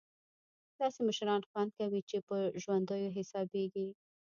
داسې مشران خوند کوي چې په ژوندیو حسابېږي.